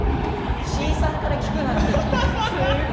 石井さんから聞くなんてね。